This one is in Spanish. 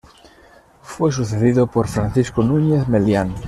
Fue sucedido por Francisco Núñez Melián.